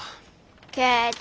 ケチ。